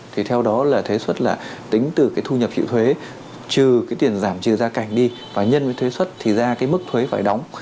thì theo đó là thuế xuất là tính từ cái thu nhập hiệu thuế trừ cái tiền giảm trừ gia cảnh đi và nhân với thuế xuất thì ra cái mức thuế phải đóng